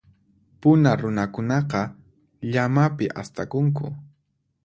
Puna runakunaqa, llamapi astakunku.